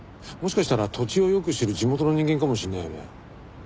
もしかしたら土地をよく知る地元の人間かもしれないよね。